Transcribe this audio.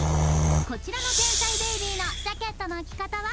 こちらの天才ベイビーのジャケットの着方は？